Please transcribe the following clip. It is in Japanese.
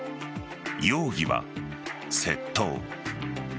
容疑は窃盗。